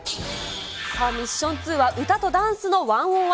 さあ、ミッション２は歌とダンスの１オン１。